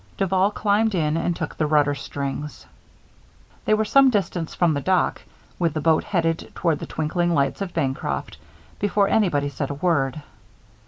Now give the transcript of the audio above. Duval climbed in and took the rudder strings. They were some distance from the dock, with the boat headed toward the twinkling lights of Bancroft, before anybody said a word.